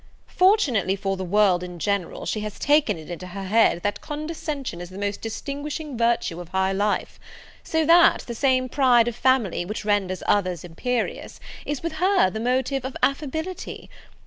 Fortunately for the world in general, she has taken it into her head, that condescension is the most distinguishing virtue of high life; so that the same pride of family which renders others imperious, is with her the motive of affability.